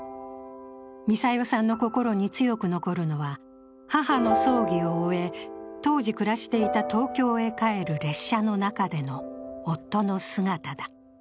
ミサヨさんの心に強く残るのは母の葬儀を終え当時暮らしていた東京へ帰る列車の中での夫の姿だ。